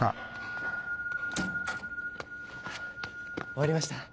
終わりました。